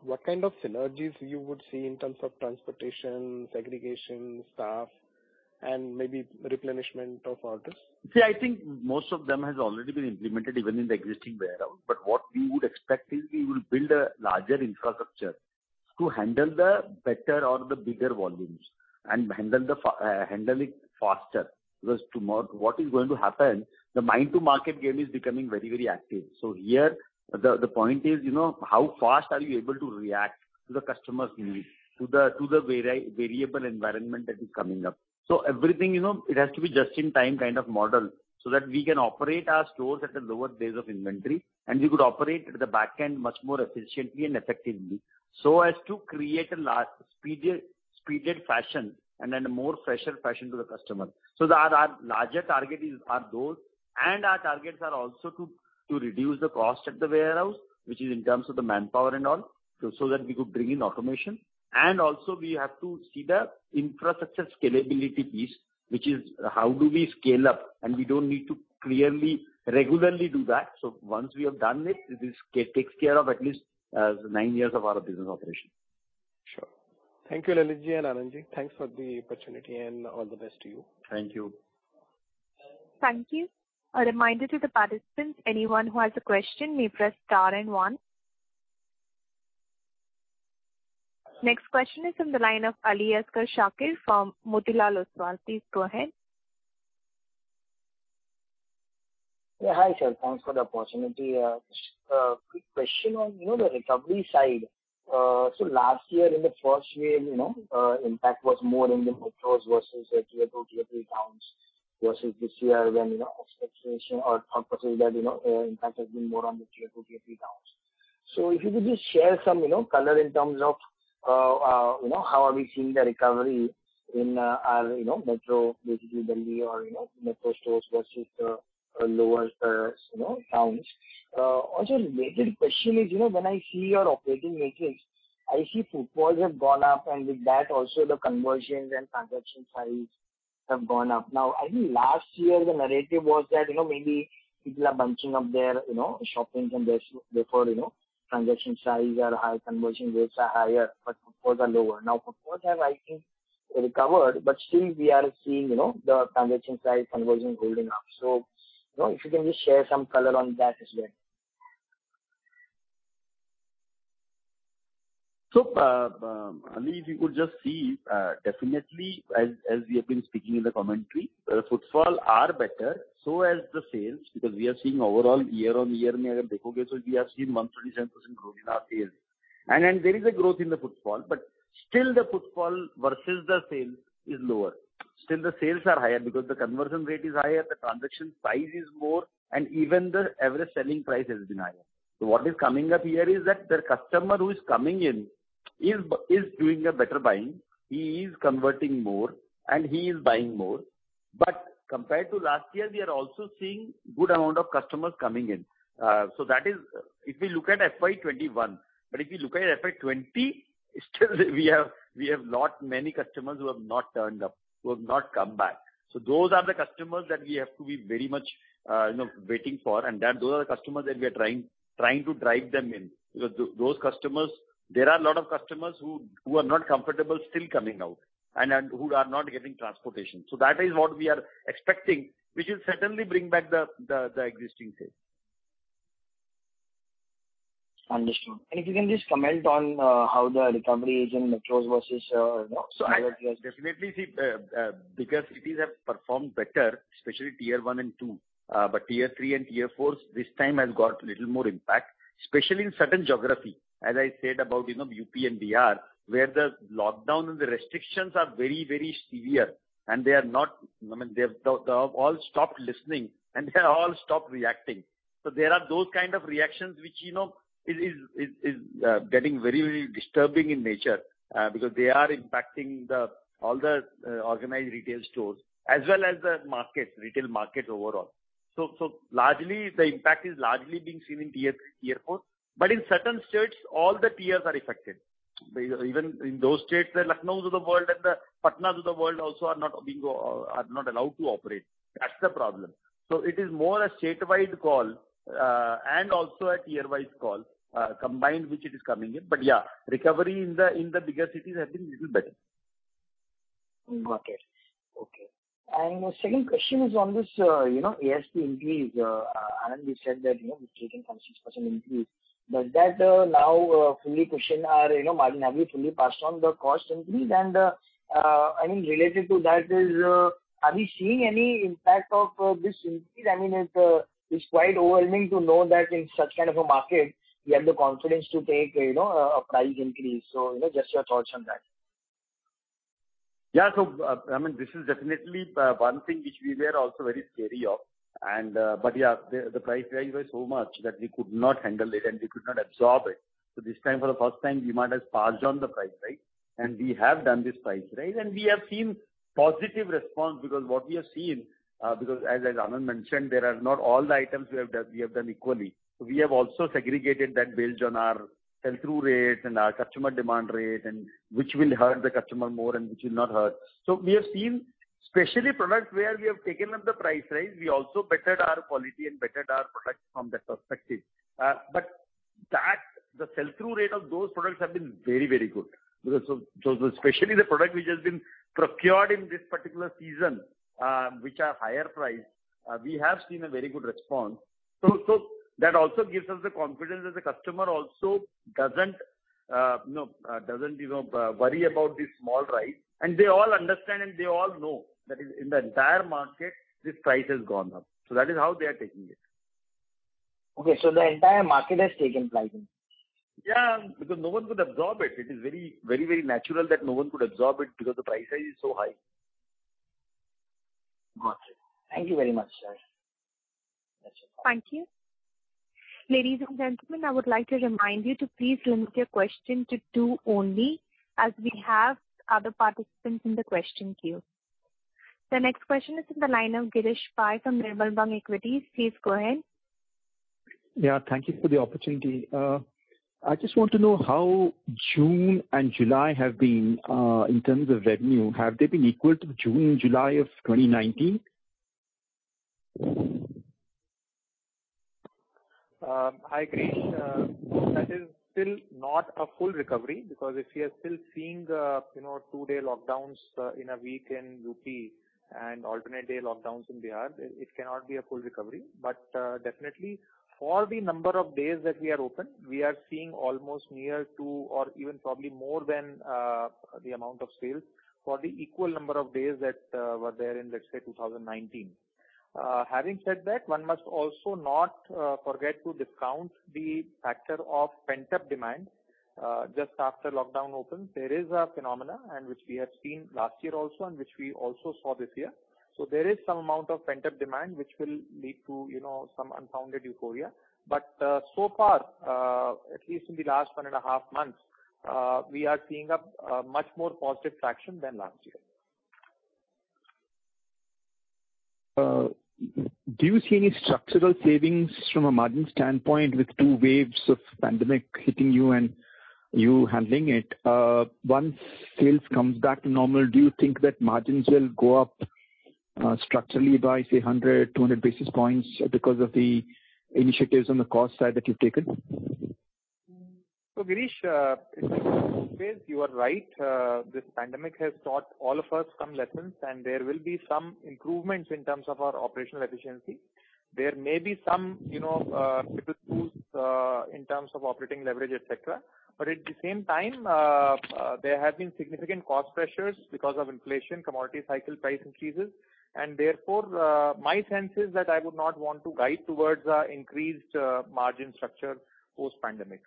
S7: what kind of synergies you would see in terms of transportation, segregation, staff, and maybe replenishment of orders?
S3: I think most of them has already been implemented even in the existing warehouse. What we would expect is we will build a larger infrastructure to handle the better or the bigger volumes and handle it faster. What is going to happen, the mind to market game is becoming very active. Here, the point is, how fast are you able to react to the customer's needs, to the variable environment that is coming up. Everything, it has to be just in time kind of model so that we can operate our stores at a lower base of inventory, and we could operate at the back end much more efficiently and effectively so as to create a large, speeded fashion and then a more fresher fashion to the customer. Our larger target is our goals, and our targets are also to reduce the cost at the warehouse, which is in terms of the manpower and all, so that we could bring in automation. Also, we have to see the infrastructure scalability piece, which is how do we scale up? We don't need to clearly, regularly do that. Once we have done it takes care of at least nine years of our business operation.
S7: Sure. Thank you, Lalit ji and Anand ji. Thanks for the opportunity and all the best to you.
S3: Thank you.
S1: Thank you. A reminder to the participants, anyone who has a question may press star and one. Next question is from the line of Aliasgar Shakir from Motilal Oswal. Please go ahead.
S8: Yeah. Hi, sir. Thanks for the opportunity. Quick question on the recovery side. Last year in the first wave, impact was more in the metros versus Tier 2, Tier 3 towns versus this year when, observation or thought process that impact has been more on the Tier 2, Tier 3 towns. If you could just share some color in terms of how are we seeing the recovery in our metro, basically Delhi or metro stores versus lower towns. Also a related question is, when I see your operating metrics, I see footfalls have gone up, and with that also the conversions and transaction size have gone up. Now, I think last year the narrative was that, maybe people are bunching up their shopping and therefore, transaction size are high, conversion rates are higher, but footfalls are lower. Footfalls have, I think, recovered, but still we are seeing the transaction size conversion holding up. If you can just share some color on that as well.
S3: Ali, if you could just see, definitely as we have been speaking in the commentary, footfall are better, so as the sales, because we are seeing overall year-on-year we have seen 127% growth in our sales. There is a growth in the footfall, but still the footfall versus the sale is lower. Still, the sales are higher because the conversion rate is higher, the transaction size is more, and even the average selling price has been higher. What is coming up here is that the customer who is coming in is doing a better buying. He is converting more and he is buying more. Compared to last year, we are also seeing good amount of customers coming in. That is if we look at FY 2021, but if we look at FY 2020, still we have lot many customers who have not turned up, who have not come back. Those are the customers that we have to be very much waiting for, and those are the customers that we are trying to drive them in, because there are a lot of customers who are not comfortable still coming out and who are not getting transportation. That is what we are expecting, which will certainly bring back the existing sales.
S8: Understood. If you can just comment on how the recovery is in metros versus rural areas.
S3: I would definitely see bigger cities have performed better, especially Tier 1 and 2. Tier 3 and Tier 4 this time has got little more impact, especially in certain geography. As I said about UP and Bihar, where the lockdown and the restrictions are very severe and they have all stopped listening and they have all stopped reacting. There are those kind of reactions which is getting very disturbing in nature because they are impacting all the organized retail stores as well as the retail market overall. The impact is largely being seen in Tier 3, Tier 4, but in certain states, all the tiers are affected. Even in those states, the Lucknow of the world and the Patna of the world also are not allowed to operate. That's the problem. It is more a statewide call, and also a tier wise call, combined which it is coming in. Yeah, recovery in the bigger cities has been little better.
S8: Got it. Okay. second question is on this ASP increase. Anand ji said that we've taken 5%-6% increase. Does that now fully cushion our margin? Have we fully passed on the cost increase? I mean, related to that is, are we seeing any impact of this increase? I mean, it's quite overwhelming to know that in such kind of a market you have the confidence to take a price increase. just your thoughts on that.
S3: I mean, this is definitely one thing which we were also very scared of. The price rise was so much that we could not handle it, and we could not absorb it. This time, for the first time, V-Mart has passed on the price rise, and we have done this price rise, and we have seen positive response because what we have seen, because as Anand mentioned, there are not all the items we have done equally. We have also segregated that based on our sell-through rate and our customer demand rate and which will hurt the customer more and which will not hurt. We have seen especially products where we have taken up the price range, we also bettered our quality and bettered our product from that perspective. The sell-through rate of those products have been very good. Especially the product which has been procured in this particular season, which are higher price, we have seen a very good response. That also gives us the confidence that the customer also doesn't worry about the small rise, and they all understand and they all know that in the entire market, this price has gone up. That is how they are taking it.
S8: Okay, the entire market has taken pricing?
S3: Yeah, no one could absorb it. It is very natural that no one could absorb it because the price rise is so high.
S8: Got it. Thank you very much, sir.
S1: Thank you. Ladies and gentlemen, I would like to remind you to please limit your question to two only as we have other participants in the question queue. The next question is in the line of Girish Pai from Nirmal Bang Equities. Please go ahead.
S9: Yeah, thank you for the opportunity. I just want to know how June and July have been in terms of revenue. Have they been equal to June and July of 2019?
S4: Hi, Girish. That is still not a full recovery because if we are still seeing two-day lockdowns in a week in UP and alternate day lockdowns in Bihar, it cannot be a full recovery. Definitely for the number of days that we are open, we are seeing almost near to or even probably more than the amount of sales for the equal number of days that were there in, let's say, 2019. Having said that, one must also not forget to discount the factor of pent-up demand just after lockdown opened. There is a phenomena and which we have seen last year also and which we also saw this year. There is some amount of pent-up demand which will lead to some unfounded euphoria. So far, at least in the last 1.5 months, we are seeing a much more positive traction than last year.
S9: Do you see any structural savings from a margin standpoint with two waves of pandemic hitting you and you handling it? Once sales comes back to normal, do you think that margins will go up structurally by, say, 100, 200 basis points because of the initiatives on the cost side that you've taken?
S4: Girish, in some ways you are right. This pandemic has taught all of us some lessons and there will be some improvements in terms of our operational efficiency. There may be some simple tools in terms of operating leverage, et cetera. At the same time, there have been significant cost pressures because of inflation, commodity cycle price increases. Therefore, my sense is that I would not want to guide towards increased margin structure post-pandemic.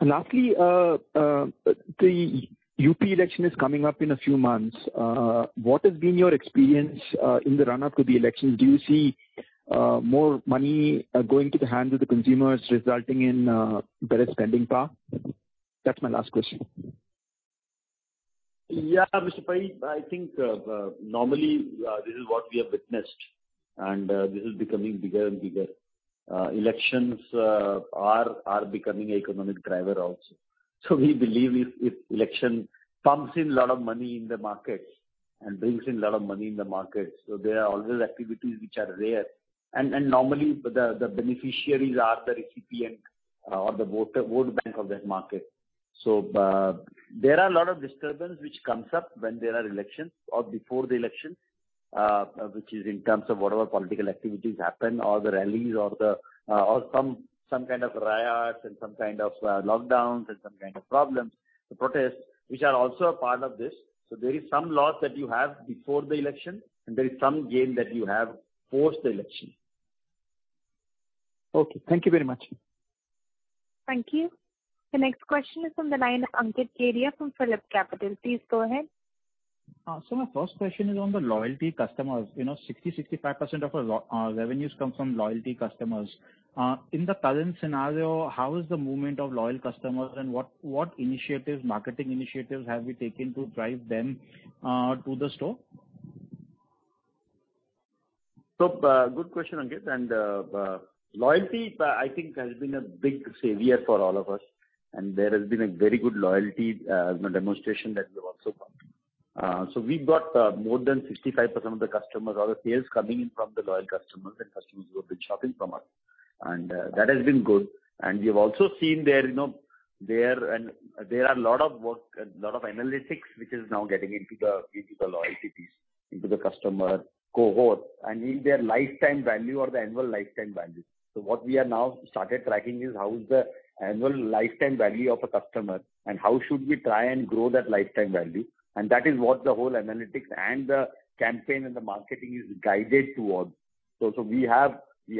S9: Lastly, the UP election is coming up in a few months. What has been your experience in the run-up to the election? Do you see more money going to the hands of the consumers resulting in better spending power? That's my last question.
S3: Mr. Pai. I think normally this is what we have witnessed, this is becoming bigger and bigger. Elections are becoming economic driver also. We believe if election pumps in a lot of money in the market and brings in a lot of money in the market, there are always activities which are there. Normally, the beneficiaries are the recipient or the voter bank of that market. There are a lot of disturbance which comes up when there are elections or before the election, which is in terms of whatever political activities happen or the rallies or some kind of riots and some kind of lockdowns and some kind of problems, the protests which are also a part of this. There is some loss that you have before the election, and there is some gain that you have post the election.
S9: Okay. Thank you very much.
S1: Thank you. The next question is on the line, Ankit Kedia from PhillipCapital. Please go ahead.
S10: My first question is on the loyalty customers. 60%, 65% of our revenues come from loyalty customers. In the current scenario, how is the movement of loyal customers and what marketing initiatives have we taken to drive them to the store?
S3: Good question, Ankit. Loyalty, I think has been a big savior for all of us. There has been a very good loyalty demonstration that we have also got. We've got more than 65% of the customers or the sales coming in from the loyal customers and customers who have been shopping from us. That has been good. We have also seen there are a lot of analytics which is now getting into the loyalties, into the customer cohort and in their lifetime value or the annual lifetime value. What we are now started tracking is how is the annual lifetime value of a customer and how should we try and grow that lifetime value? That is what the whole analytics and the campaign and the marketing is guided towards. We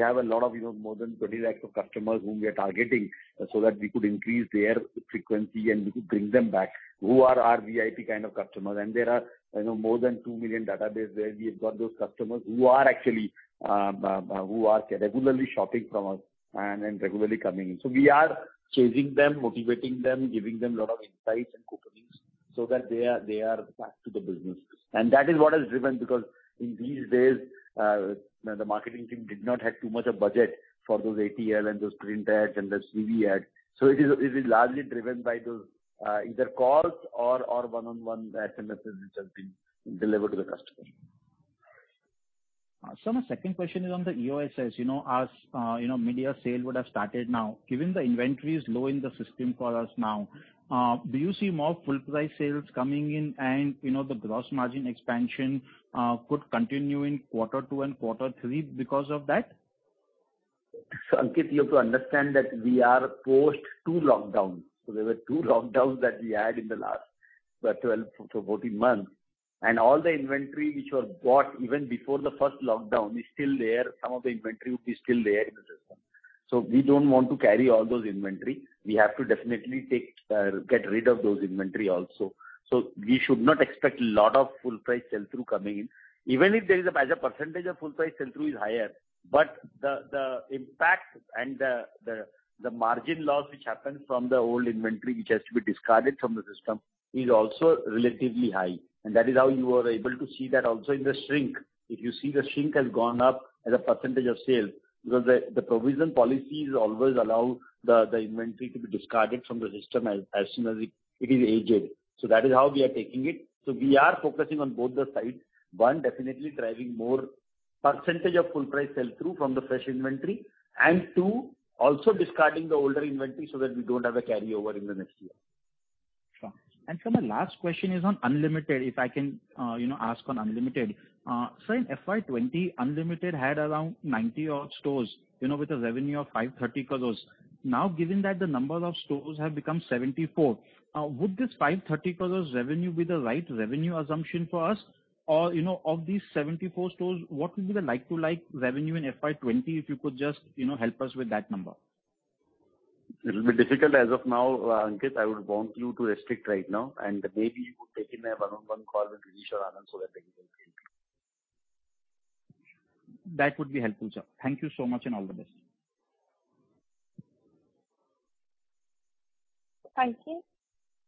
S3: have a lot of, more than 20 lakh of customers whom we are targeting so that we could increase their frequency and we could bring them back who are our VIP kind of customers. There are more than 2 million database where we have got those customers who are regularly shopping from us and regularly coming in. We are chasing them, motivating them, giving them lot of insights and coupons so that they are back to the business. That is what has driven because in these days, the marketing team did not have too much a budget for those ATL and those print ads and the TV ads. It is largely driven by those either calls or one-on-one SMSs which have been delivered to the customer.
S10: Sir, my second question is on the EOSS. As mega sale would have started now, given the inventory is low in the system for us now, do you see more full price sales coming in and the gross margin expansion could continue in quarter two and quarter three because of that?
S3: Ankit, you have to understand that we are post two lockdowns. There were two lockdowns that we had in the last 12-14 months, and all the inventory which was bought even before the first lockdown is still there. Some of the inventory would be still there in the system. We don't want to carry all those inventory. We have to definitely get rid of those inventory also. We should not expect a lot of full price sell-through coming in. Even if there is as a percentage of full price sell-through is higher, but the impact and the margin loss which happens from the old inventory, which has to be discarded from the system, is also relatively high. That is how you are able to see that also in the shrink. If you see the shrink has gone up as a percentage of sales because the provision policies always allow the inventory to be discarded from the system as soon as it is aged. That is how we are taking it. We are focusing on both the sides. One, definitely driving more percentage of full price sell-through from the fresh inventory, and two, also discarding the older inventory so that we don't have a carryover in the next year.
S10: Sure. Sir, my last question is on Unlimited, if I can ask on Unlimited. Sir, in FY 2020, Unlimited had around 90-odd stores, with a revenue of 530 crores. Now, given that the number of stores have become 74, would this 530 crores revenue be the right revenue assumption for us? Of these 74 stores, what will be the like-to-like revenue in FY 2020? If you could just help us with that number.
S3: It'll be difficult as of now, Ankit. I would want you to restrict right now, and maybe you could take in a one-on-one call with Rish or Anand so that they can help you.
S10: That would be helpful, sir. Thank you so much, and all the best.
S1: Thank you.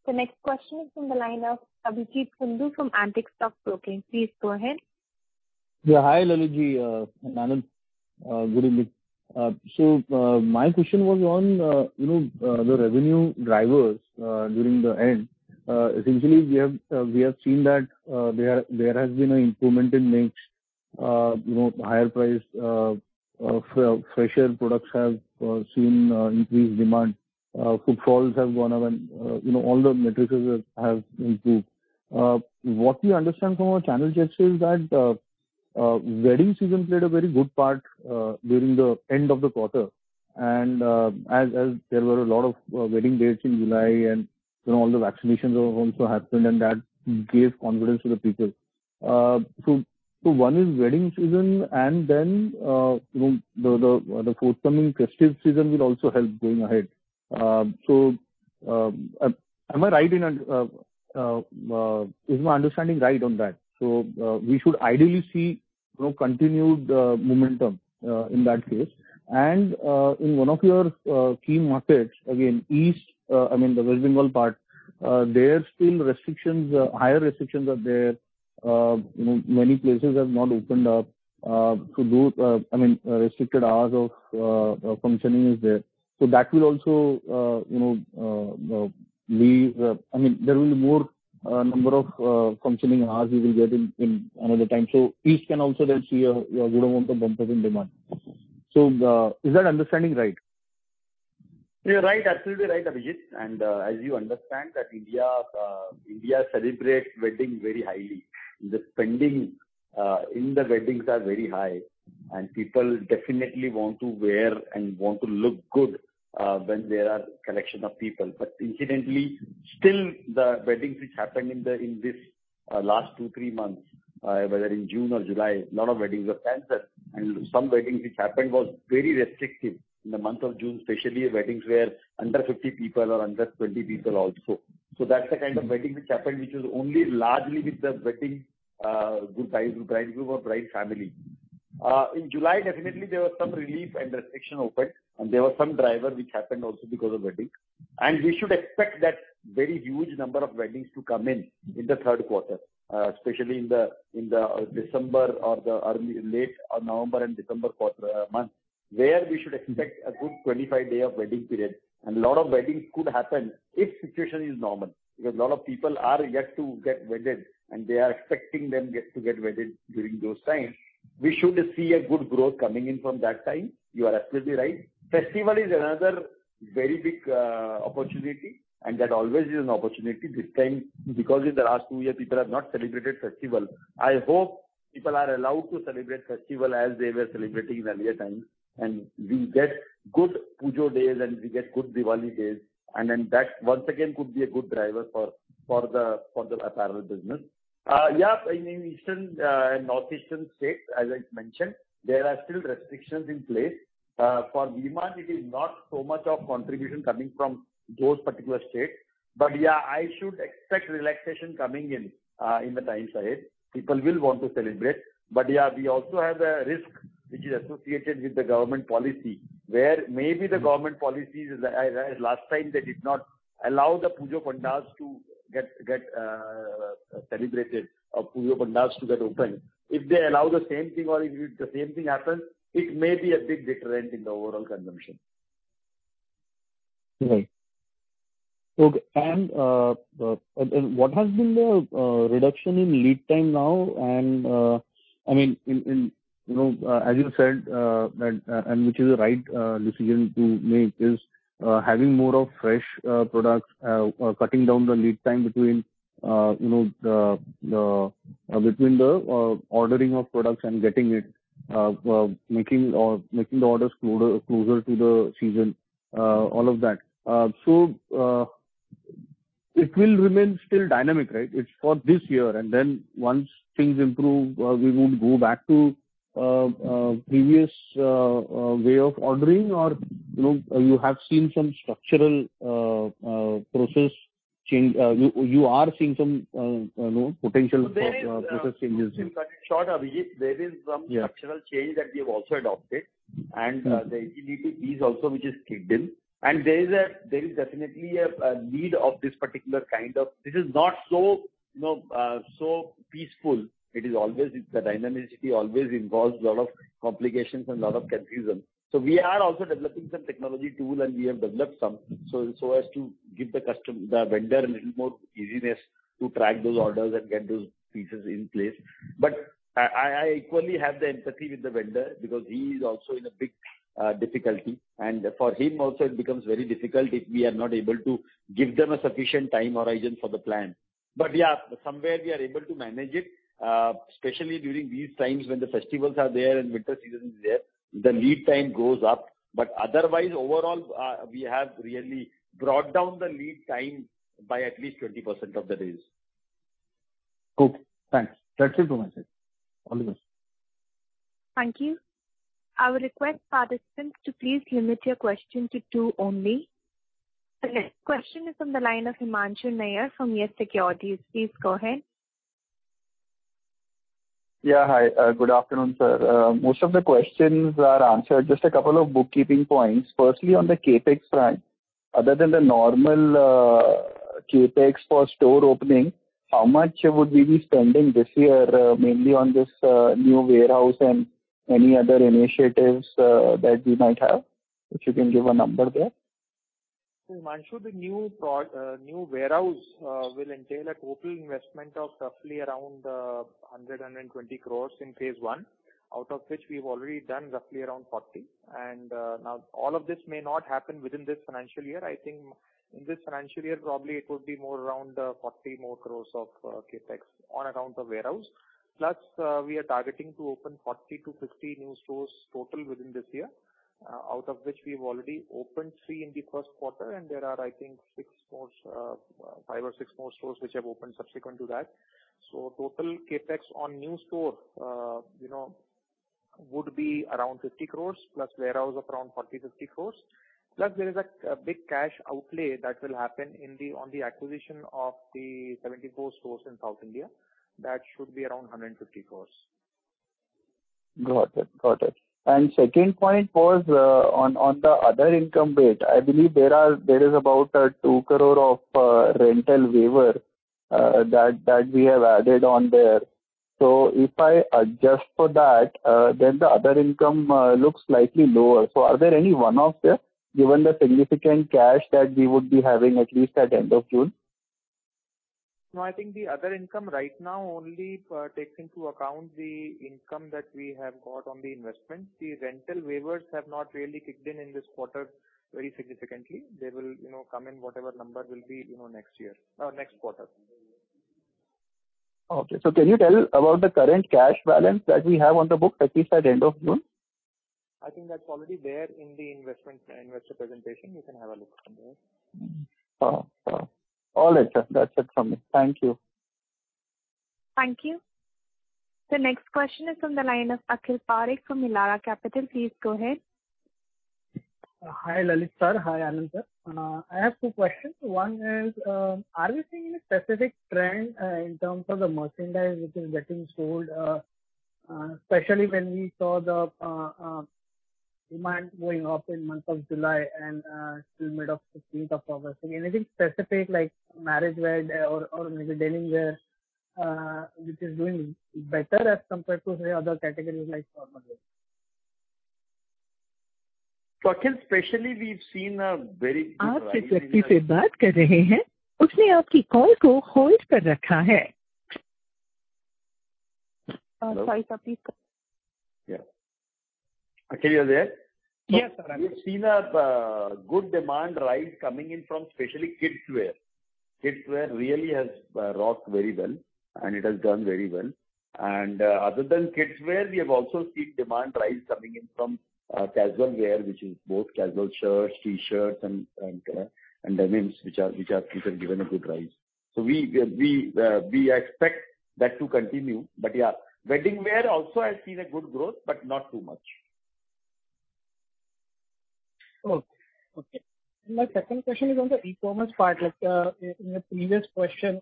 S1: The next question is from the line of Abhijeet Kundu from Antique Stock Broking Limited. Please go ahead.
S11: Yeah. Hi, Lalit ji and Anand. Good evening. My question was on the revenue drivers during the end. Essentially, we have seen that there has been an improvement in mix. Higher priced, fresher products have seen increased demand. Footfalls have gone up and all the metrics have improved. What we understand from our channel checks is that wedding season played a very good part during the end of the quarter. As there were a lot of wedding dates in July and all the vaccinations have also happened, that gave confidence to the people. One is wedding season, and then the forthcoming festive season will also help going ahead. Is my understanding right on that? We should ideally see continued momentum in that case. In one of your key markets, again, East, the West Bengal part, there are still higher restrictions are there. Many places have not opened up. Restricted hours of functioning is there. There will be more number of functioning hours we will get in another time. East can also then see a good amount of bump in demand. Is that understanding right?
S3: You're right. Absolutely right, Abhijeet. As you understand that India celebrates wedding very highly. The spending in the weddings are very high, and people definitely want to wear and want to look good when there are collection of people. Incidentally, still the weddings which happened in this last two, three months, whether in June or July, a lot of weddings were canceled, and some weddings which happened was very restrictive in the month of June, especially weddings were under 50 people or under 20 people also. That's the kind of wedding which happened, which was only largely with the wedding bride group or bride family. In July, definitely there was some relief and restriction opened, and there were some drivers which happened also because of weddings. We should expect that very huge number of weddings to come in the third quarter, especially in the November and December month, where we should expect a good 25-day of wedding period. Lot of weddings could happen if situation is normal, because a lot of people are yet to get wedded, and they are expecting them yet to get wedded during those times. We should see a good growth coming in from that time. You are absolutely right. Festival is another very big opportunity, and that always is an opportunity this time because in the last two years, people have not celebrated festival. I hope people are allowed to celebrate festival as they were celebrating in earlier times, and we get good Pujo days, and we get good Diwali days, and then that once again could be a good driver for the apparel business. Yeah, in northeastern states, as I mentioned, there are still restrictions in place. For demand, it is not so much of contribution coming from those particular states. Yeah, I should expect relaxation coming in the times ahead. People will want to celebrate. Yeah, we also have a risk which is associated with the government policy, where maybe the government policies, as last time they did not allow the Pujo pandals to get celebrated or Pujo pandals to get open. If they allow the same thing or if the same thing happens, it may be a big deterrent in the overall consumption.
S11: Right. What has been the reduction in lead time now? As you said, and which is the right decision to make, is having more of fresh products, cutting down the lead time between the ordering of products and getting it, making the orders closer to the season, all of that. It will remain still dynamic, right? It's for this year, and then once things improve, we would go back to previous way of ordering. You are seeing some potential process changes?
S3: In short, Abhijit, there is some structural change that we have also adopted, and the agility is also which is kicked in, and there is definitely a need of this particular kind of. It is not so peaceful. The dynamicity always involves a lot of complications and a lot of catechism. We are also developing some technology tool, and we have developed some, so as to give the vendor a little more easiness to track those orders and get those pieces in place. I equally have the empathy with the vendor because he is also in a big difficulty, and for him also it becomes very difficult if we are not able to give them a sufficient time horizon for the plan. Yeah, somewhere we are able to manage it, especially during these times when the festivals are there and winter season is there, the lead time goes up. Otherwise, overall, we have really brought down the lead time by at least 20% of the days.
S11: Okay, thanks. That's it from my side. All the best.
S1: Thank you. I would request participants to please limit your question to two only. The next question is from the line of Himanshu Nayyar from YES Securities. Please go ahead.
S12: Yeah, hi. Good afternoon, sir. Most of the questions are answered. Just a couple of bookkeeping points. Firstly, on the CapEx front, other than the normal CapEx for store opening, how much would we be spending this year, mainly on this new warehouse and any other initiatives that we might have? If you can give a number there.
S4: Himanshu, the new warehouse will entail a total investment of roughly around 100 crore-120 crore in phase one, out of which we've already done roughly around 40 crore. Now all of this may not happen within this financial year. I think in this financial year, probably it would be more around 40 crore more of CapEx on account of warehouse. We are targeting to open 40-50 new stores total within this year, out of which we've already opened three in the first quarter, and there are, I think, 5 or 6 more stores which have opened subsequent to that. Total CapEx on new store would be around 50 crore plus warehouse of around 40 crore-50 crore. There is a big cash outlay that will happen on the acquisition of the 74 stores in South India. That should be around 150 crore.
S12: Got it. Second point was on the other income bit. I believe there is about a 2 crore of rental waiver that we have added on there. If I adjust for that, then the other income looks slightly lower. Are there any one-off there, given the significant cash that we would be having at least at the end of June?
S4: No, I think the other income right now only takes into account the income that we have got on the investment. The rental waivers have not really kicked in in this quarter very significantly. They will come in whatever number will be next quarter.
S12: Can you tell about the current cash balance that we have on the books, at least at the end of June?
S4: I think that's already there in the investor presentation. You can have a look from there.
S12: Okay. All right, sir. That's it from me. Thank you.
S1: Thank you. The next question is from the line of Akhil Parekh from Elara Capital. Please go ahead.
S13: Hi, Lalit sir. Hi, Anand sir. I have two questions. One is, are we seeing a specific trend in terms of the merchandise which is getting sold, especially when we saw the demand going up in month of July and till 15th of August? Anything specific like marriage wear or maybe daily wear which is doing better as compared to the other categories like formal wear?
S3: Akhil, especially we've seen a very good. Hello?
S1: Sorry, Akhil?
S3: Yeah. Akhil, you're there?
S13: Yes, sir. I'm there.
S3: We've seen a good demand rise coming in from especially kidswear. Kidswear really has rocked very well, and it has done very well. Other than kidswear, we have also seen demand rise coming in from casual wear, which is both casual shirts, T-shirts and denims, which have given a good rise. We expect that to continue. Yeah, wedding wear also has seen a good growth, but not too much.
S13: Okay. My second question is on the e-commerce part. In your previous question,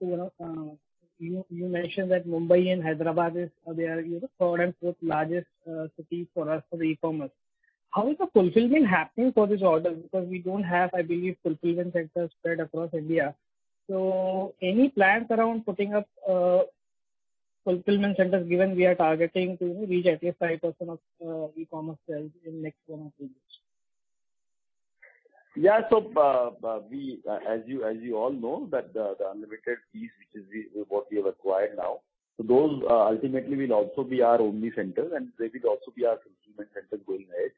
S13: you mentioned that Mumbai and Hyderabad, they are third and fourth largest cities for us for e-commerce. How is the fulfillment happening for this order? Because we don't have, I believe, fulfillment centers spread across India. Any plans around putting up fulfillment centers given we are targeting to reach at least 5% of e-commerce sales in next one or two years?
S3: As you all know, the Unlimited piece which is what we have acquired now, those ultimately will also be our Omni center and they will also be our fulfillment center going ahead.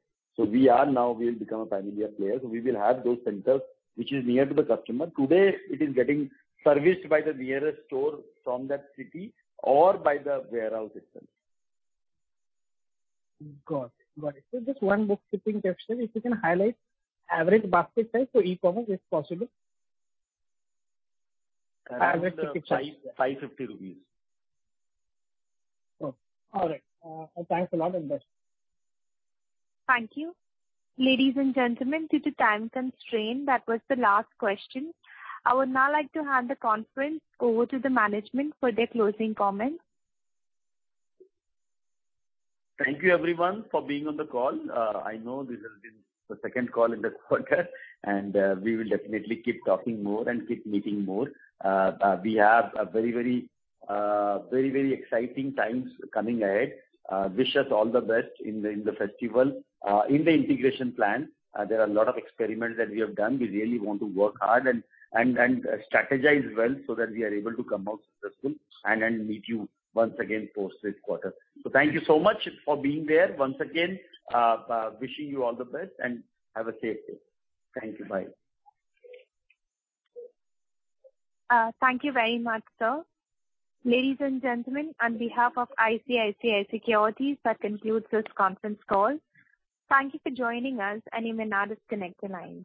S3: We are now, we'll become a pan-India player, we will have those centers which is near to the customer. Today, it is getting serviced by the nearest store from that city or by the warehouse itself.
S13: Got it. Just one bookkeeping question, if you can highlight average basket size for e-commerce, if possible? Average ticket size.
S3: INR 550.
S13: Okay. All right. Thanks a lot and best.
S1: Thank you. Ladies and gentlemen, due to time constraint, that was the last question. I would now like to hand the conference over to the management for their closing comments.
S3: Thank you everyone for being on the call. I know this has been the second call in the quarter, we will definitely keep talking more and keep meeting more. We have very exciting times coming ahead. Wish us all the best in the festival. In the integration plan, there are a lot of experiments that we have done. We really want to work hard and strategize well so that we are able to come out successful and meet you once again post this quarter. Thank you so much for being there. Once again, wishing you all the best, have a safe day. Thank you. Bye.
S1: Thank you very much, sir. Ladies and gentlemen, on behalf of ICICI Securities, that concludes this conference call. Thank you for joining us, and you may now disconnect the line.